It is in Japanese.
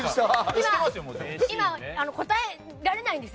今、答えられないです。